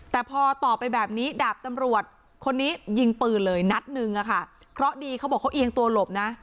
แต่พอต่อไปแบบนี้ดาบตำรวจคนนี้ยิงปืนเลยนัดหนึ่งอะค่ะเคราะห์ดีเขาบอกเขาเอียงตัวหลบนะ